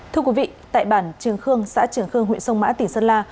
thưa quý vị tại bản trường khương xã trường khương huyện sông mã tỉnh sơn la